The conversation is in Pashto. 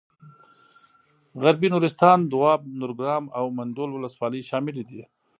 غربي نورستان دواب نورګرام او منډول ولسوالۍ شاملې دي.